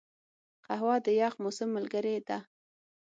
قهوه د یخ موسم ملګرې ده